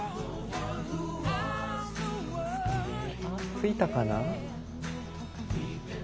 ついたかな？